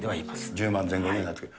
１０万前後ぐらいになってくる。